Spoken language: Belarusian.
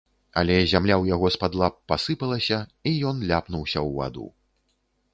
Але зямля ў яго з-пад лап пасыпалася, і ён ляпнуўся ў ваду.